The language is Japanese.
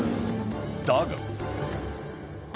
だが。